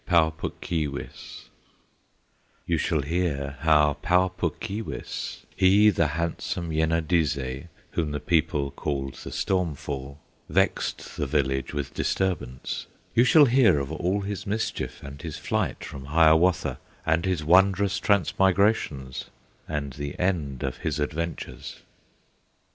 XVI Pau Puk Keewis You shall hear how Pau Puk Keewis, He, the handsome Yenadizze, Whom the people called the Storm Fool, Vexed the village with disturbance; You shall hear of all his mischief, And his flight from Hiawatha, And his wondrous transmigrations, And the end of his adventures.